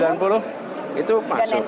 dari sembilan puluh itu masuk